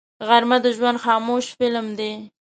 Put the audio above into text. غرمه د ژوند خاموش فلم دی